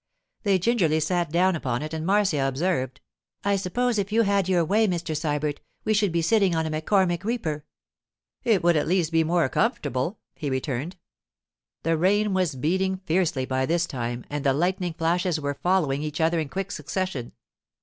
They gingerly sat down upon it and Marcia observed— 'I suppose if you had your way, Mr. Sybert, we should be sitting on a McCormick reaper.' 'It would at least be more comfortable,' he returned. The rain was beating fiercely by this time, and the lightning flashes were following each other in quick succession.